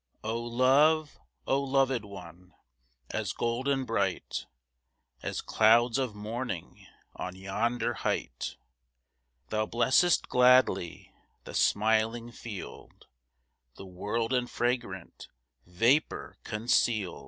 Oh love! oh loved one! As golden bright, As clouds of morning On yonder height! Thou blessest gladly The smiling field, The world in fragrant Vapour conceal'd.